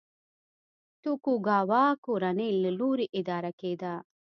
توکوګاوا کورنۍ له لوري اداره کېده.